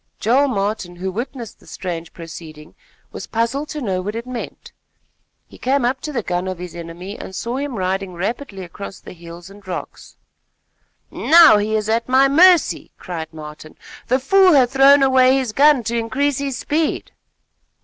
Joel Martin, who witnessed the strange proceeding, was puzzled to know what it meant. He came up to the gun of his enemy and saw him riding rapidly across the hills and rocks. "Now he is at my mercy," cried Martin. "The fool hath thrown away his gun to increase his speed."